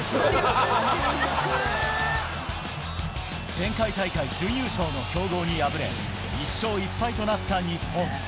前回大会準優勝の強豪に敗れ、１勝１敗となった日本。